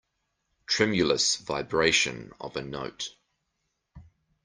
Tremulous vibration of a note.